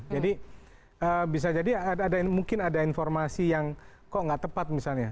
jadi bisa jadi mungkin ada informasi yang kok nggak tepat misalnya